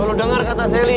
kalau lo dengar kata sally